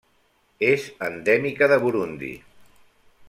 És endèmica de Burundi.